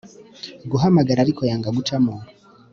guhamagara ariko yanga gucamo